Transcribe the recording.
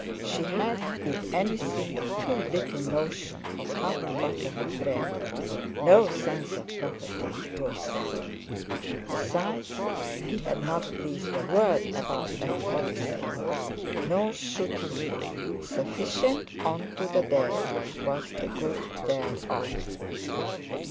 She had, if anything, too little notion of how to butter her bread, no sense of property, poor thing! Besides, he had not breathed a word about that codicil, nor should he—sufficient unto the day was the good thereof.